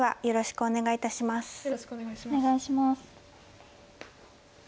よろしくお願いします。